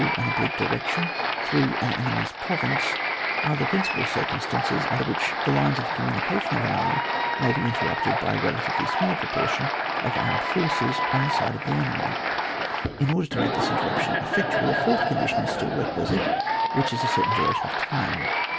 An oblique direction, 3. An enemy's province, are the principal circumstances under which the lines of communication of an army may be interrupted by a relatively small proportion of armed forces on the side of the enemy ; in order to make this interruption effectual, a fourth condition is still requisite, which is a certain duration of time.